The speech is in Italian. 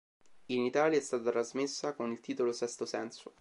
In Italia è stata trasmessa con il titolo "Sesto senso".